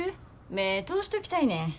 目ぇ通しときたいねん。